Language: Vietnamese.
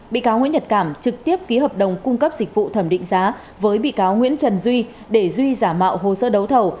bị cáo nguyễn nhật cảm trực tiếp ký hợp đồng cung cấp dịch vụ thẩm định giá với bị cáo nguyễn trần duy để duy giả mạo hồ sơ đấu thầu